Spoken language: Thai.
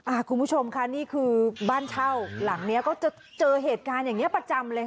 คุณผู้ชมค่ะนี่คือบ้านเช่าหลังเนี้ยก็จะเจอเหตุการณ์อย่างนี้ประจำเลยค่ะ